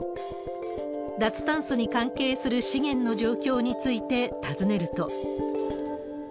脱炭素に関係する資源の状況について尋ねると。